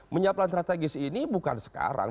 menyiapkan strategis ini bukan sekarang